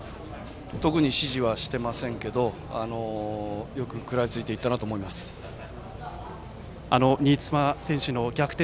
特に指示はしていませんがよく食らいついていったなと新妻選手の逆転